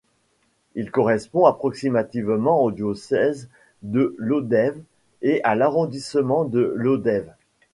Il correspond approximativement au diocèse de Lodève et à l'arrondissement de Lodève.